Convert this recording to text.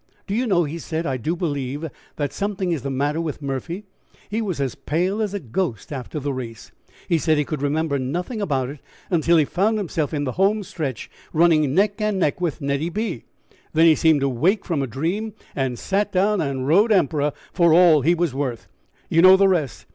"Do you know," he said, "I do believe that something is the matter with Murphy. He was as pale as a ghost after the race. He said he could remember nothing about it until he found himself in the home stretch running neck and neck with Nettie B. Then he seemed to wake from a dream, and sat down and rode Emperor for all he was worth. You know the rest.